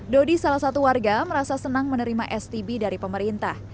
dodi salah satu warga merasa senang menerima stb dari pemerintah